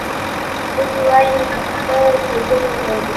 ودي وایي ! په خوله کې ژبه لري .